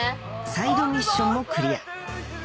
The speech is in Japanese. サイドミッションもクリア